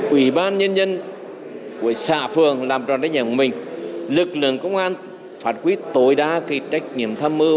ủy ban nhân dân của xã phường làm tròn trách nhiệm của mình lực lượng công an phản quyết tội đa cái trách nhiệm tham mưu